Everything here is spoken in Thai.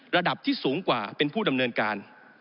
ระดับที่สูงกว่าเป็นผู้ดำเนินการ